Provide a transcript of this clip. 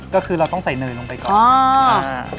ก็คือเราต้องใส่เนยลงไปก่อน